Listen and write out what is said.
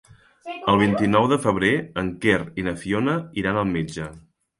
El vint-i-nou de febrer en Quer i na Fiona iran al metge.